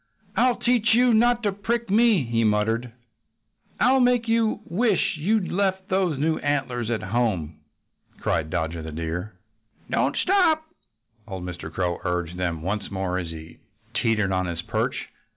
"I'll teach you not to prick me!" he muttered. "I'll make you wish you'd left those new antlers at home!" cried Dodger the Deer. "Don't stop!" old Mr. Crow urged them once more as he teetered on his perch.